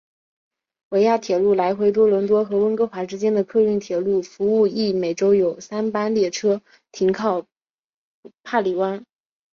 维亚铁路来回多伦多和温哥华之间的客运铁路服务亦每周有三班列车停靠帕里湾。